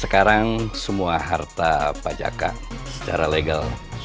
sekarang semua harta pangeran secara legal sudah sah kita bahas